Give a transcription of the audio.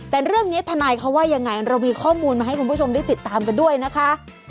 แต่เรื่องนี้ทนายเขาว่ายังไงเรามีข้อมูลมาให้คุณผู้ชมได้ติดตามกันด้วยนะคะ